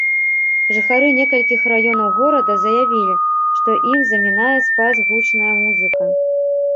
Жыхары некалькіх раёнаў горада заявілі, што ім замінае спаць гучная музыка.